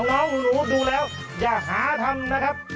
น้องหนูดูแล้วอย่าหาทำนะครับ